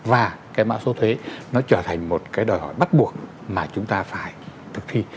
và cái mã số thuế nó trở thành một cái đòi hỏi bắt buộc mà chúng ta phải thực thi